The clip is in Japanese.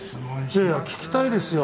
いやいや聞きたいですよ。